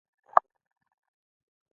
آیا دوی پایپ لاینونه نه ساتي؟